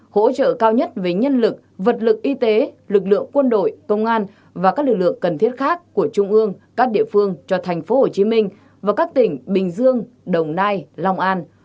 hỗ trợ cao nhất về nhân lực vật lực y tế lực lượng quân đội công an và các lực lượng cần thiết khác của trung ương các địa phương cho thành phố hồ chí minh và các tỉnh bình dương đồng nai long an